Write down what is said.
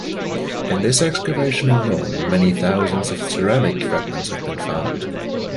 In this excavation alone many thousands of ceramic fragments have been found.